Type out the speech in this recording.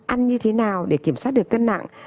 ăn như thế nào để kiểm soát được cân nặng